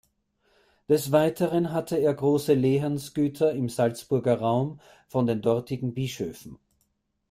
Des Weiteren hatte er große Lehensgüter im Salzburger Raum von den dortigen Bischöfen.